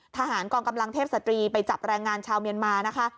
ทหารกองกำลังเทพสตรีไปจับแรงงานชาวเมียนมานะคะ